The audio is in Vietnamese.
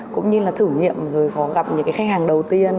cũng như là thử nghiệm rồi có gặp những cái khách hàng đầu tiên